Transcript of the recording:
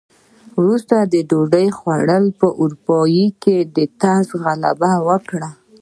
وروسته د ډوډۍ خوړلو اروپايي طرز غلبه وکړه.